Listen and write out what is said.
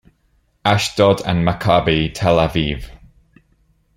Ashdod and Maccabi Tel Aviv.